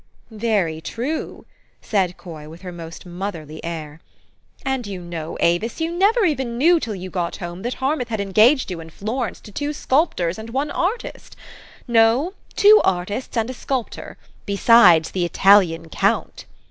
"Very true," said Coy with her most motherly 108 THE STOEY OF AVIS. air, u And you know, Avis, you never even knew till you got home, that Harmouth had engaged you in Florence to two sculptors and one artist no, two artists and a sculptor, besides the Italian count."